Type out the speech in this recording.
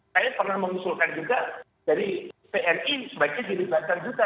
saya pernah mengusulkan juga dari pni sebaiknya dilibatkan juga